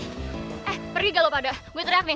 eh pergi galau pada gue teriak nih